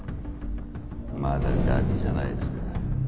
まだガキじゃないですか。